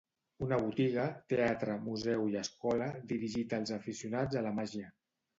Una botiga, teatre, museu i escola dirigit als aficionats a la màgia.